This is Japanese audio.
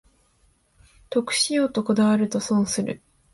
得しようとこだわると損する